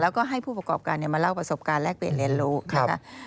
แล้วก็ให้ผู้ประกอบการมาเล่าประสบการณ์แลกเปลี่ยนเรียนรู้นะคะ